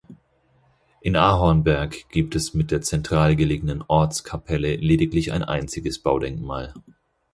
In Ahornberg gibt es mit der zentral gelegenen Ortskapelle lediglich ein einziges Baudenkmal.